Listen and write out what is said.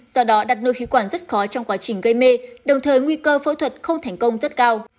do đó đặt nội khí quản rất khó trong quá trình gây mê đồng thời nguy cơ phẫu thuật không thành công rất cao